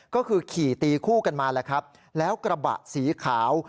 ก็คือขี่ตีคู่กันมาแหละครับแล้วกระบะสีขาว